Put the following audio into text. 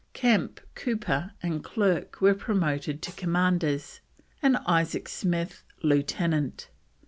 Kempe, Cooper, and Clerke were promoted to Commanders; and Isaac Smith, Lieutenant.